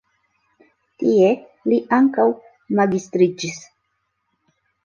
Tie li ankaŭ magistriĝis.